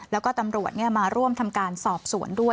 แล้วก็ตำรวจมาร่วมทำการสอบสวนด้วย